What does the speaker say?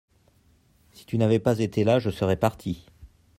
si tu n'avais pas été là je serais parti.